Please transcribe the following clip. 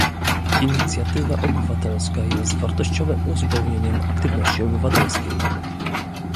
Inicjatywa obywatelska jest wartościowym uzupełnieniem aktywności obywatelskiej